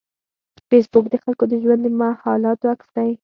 فېسبوک د خلکو د ژوند د حالاتو عکس دی